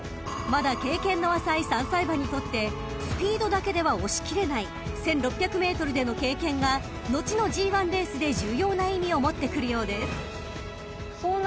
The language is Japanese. ［まだ経験の浅い３歳馬にとってスピードだけでは押し切れない１，６００ｍでの経験が後のＧⅠレースで重要な意味を持ってくるようです］